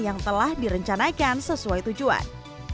yang telah direncanakan sesuai tujuan